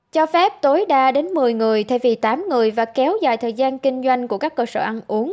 cho phép tối đa đến một mươi người thay vì tám người và kéo dài thời gian kinh doanh của các cơ sở ăn uống